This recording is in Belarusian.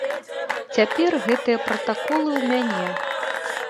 Цяпер гэтыя пратаколы ў мяне.